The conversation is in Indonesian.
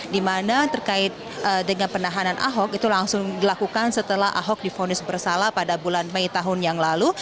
di mana terkait dengan penahanan ahok itu langsung dilakukan setelah ahok difonis bersalah pada bulan mei tahun yang lalu